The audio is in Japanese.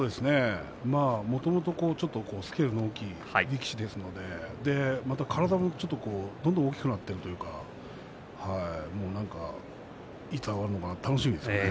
もともとスケールの大きい力士ですのでまた体もちょっとどんどん大きくなっているというかなんかいつ上がるのか楽しみですね。